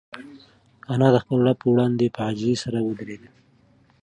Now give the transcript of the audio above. انا د خپل رب په وړاندې په عاجزۍ سره ودرېده.